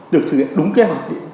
được thực hiện đúng kế hoạch đi